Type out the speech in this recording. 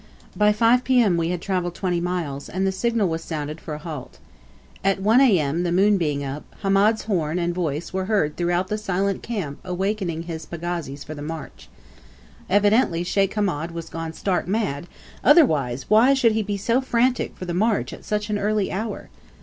By 5 P.M. we had travelled twenty miles, and the signal was sounded for a halt. At 1 A.M., the moon being up, Hamed's horn and voice were heard throughout the silent camp awaking his pagazis for the march. Evidently Sheikh Hamed was gone stark mad, otherwise why should he be so frantic for the march at such an early hour?